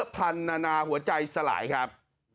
พันนานาหัวใจสลายครับ